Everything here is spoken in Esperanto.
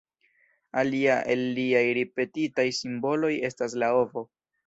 Alia el liaj ripetitaj simboloj estas la ovo.